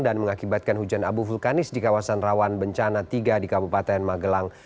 mengakibatkan hujan abu vulkanis di kawasan rawan bencana tiga di kabupaten magelang